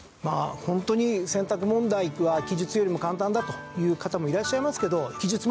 ホントに選択問題は記述よりも簡単だという方もいらっしゃいますけど。